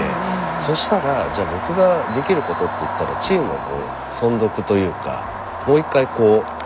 そしたらじゃあ僕ができることっていったらチームの存続というかもう一回こう。